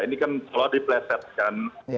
ini kan seolah dipelesetkan